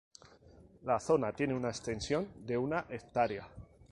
La zona tiene una extensión de una hectárea.